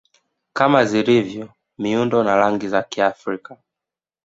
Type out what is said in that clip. kama zilivyo miundo na rangi za Kiafrika